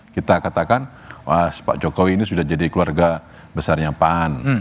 kita katakan pak jokowi ini sudah jadi keluarga besarnya pan